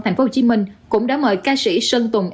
tp hcm cũng đã mời ca sĩ sơn tùng